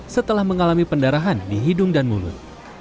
setelah mengalami pendarahan di hidung dan mulut